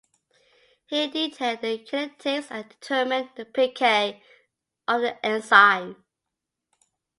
He detailed the kinetics and determined the pK of the enzyme.